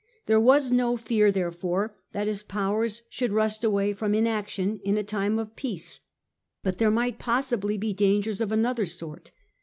There was no (bar therefore that his powers should rust away from in action in a time of peace. But there might possibly be dangers of another sort.